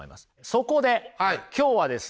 そこで今日はですね